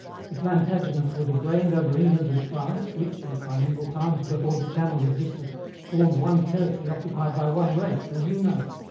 The Plantagenets would have reigned over England and France, which, in primeval times before the Channel existed, formed one territory occupied by one race, as you know.